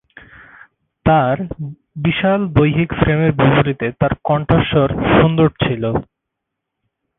তাঁর বিশাল দৈহিক ফ্রেমের বিপরীতে তার কণ্ঠস্বর সুন্দর ছিল।